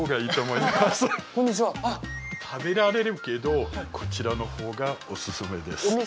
こんにちは食べられるけどこちらの方がおすすめです